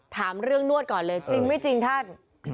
ถามเรื่องนวดก่อนเลยจริงไม่จริงท่าน